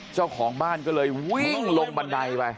เจ้าของบ้านก็เลยวิ่งลงบันไดไป